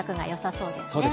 そうですね。